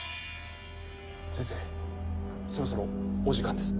先生そろそろお時間です。